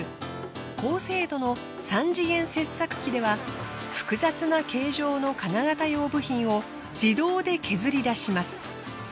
高精度の三次元切削機では複雑な形状の金型用部品を自動で削り出します。